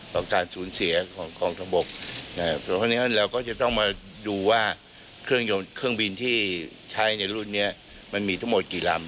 ของการสูญเสียของกองทบกเพราะฉะนั้นเราก็จะต้องมาดูว่าเครื่องยนต์เครื่องบินที่ใช้ในรุ่นนี้มันมีทั้งหมดกี่ลำ